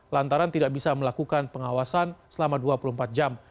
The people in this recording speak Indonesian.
lantaran tidak bisa melakukan pengawasan selama dua puluh empat jam